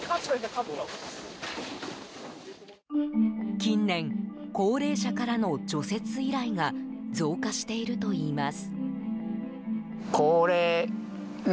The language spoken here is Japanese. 近年、高齢者からの除雪依頼が増加しているといいます。